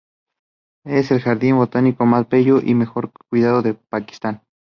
Es el jardín botánico más bello y mejor cuidado de Pakistán.